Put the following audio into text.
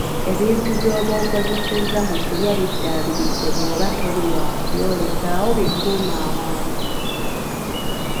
Ebintu byoba okozesezza mu kulya biddaabirize bwoba toli wa kubyolezaawo bikume awantu,